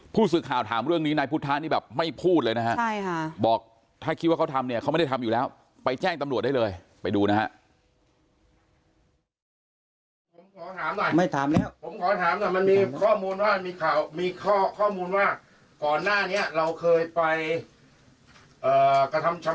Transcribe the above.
ผู้สื่อข่าวถามเรื่องนี้นายพุทธะนี่แบบไม่พูดเลยนะฮะบอกถ้าคิดว่าเขาทำเนี่ยเขาไม่ได้ทำอยู่แล้วไปแจ้งตำรวจได้เลยไปดูนะฮะ